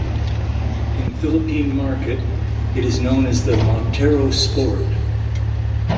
In Philippine Market, it is known as the Montero Sport.